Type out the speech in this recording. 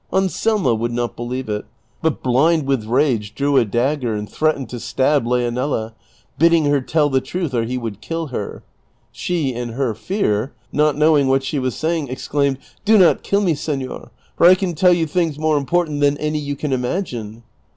'" Anselmo would not believe it, but blind with rage drew a dagger and threatened to stab Leonela, l)idding her tell the trnth or he would kill her. She, in her fear, not knowing what she was saying, exclaimed, " Do not kill me, senor, for I can tell you things more important than any you can imagine."